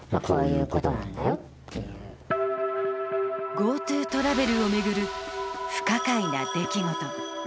ＧｏＴｏトラベルを巡る不可解な出来事。